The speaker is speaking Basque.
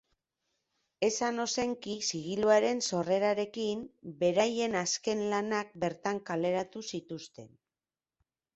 Esan Ozenki zigiluaren sorrerarekin, beraien azken lanak bertan kaleratu zituzten.